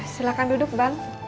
silahkan duduk bang